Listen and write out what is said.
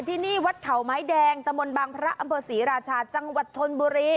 ที่นี่วัดเขาไม้แดงตะมนต์บางพระอำเภอศรีราชาจังหวัดชนบุรี